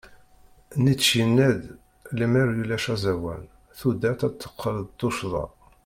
Nietzsche yenna-d: Lemmer ulac aẓawan, tudert ad teqqel d tuccḍa.